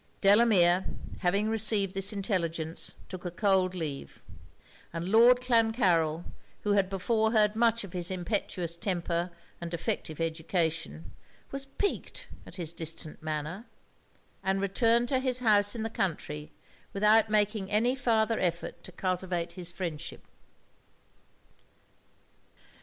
Delamere having received this intelligence, took a cold leave; and Lord Clancarryl, who had before heard much of his impetuous temper and defective education, was piqued at his distant manner, and returned to his house in the country without making any farther effort to cultivate his friendship.